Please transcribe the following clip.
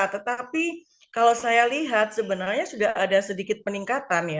tetapi kalau saya lihat sebenarnya sudah ada sedikit peningkatan ya